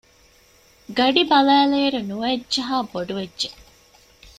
ގަޑި ބަލައިލިއިރު ނުވައެއް ޖަހާ ބޮޑުވެއްޖެ